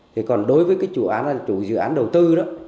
thì còn đối với dự án đầu tư